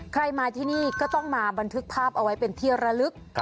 ใครมาที่นี่ก็ต้องมาบันทึกภาพเอาไว้เป็นที่ระลึก